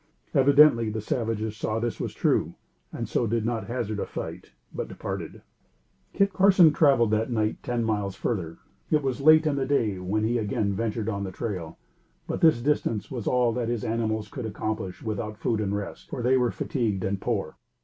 Evidently the savages saw this was true, and so did not hazard a fight, but departed. Kit Carson traveled that night ten miles further. It was late in the day when he again ventured on the trail, but this distance was all that his animals could accomplish without food and rest, for they were fatigued and poor.